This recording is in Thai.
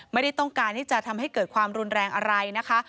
ไม่ได้ต้องการที่จะทำให้เกิดความรุนแรงอะไรนะคะ